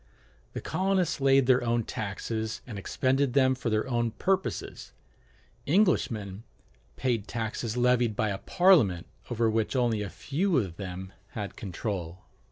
The colonists laid their own taxes and expended them for their own purposes: Englishmen paid taxes levied by a Parliament over which only a few of them had control.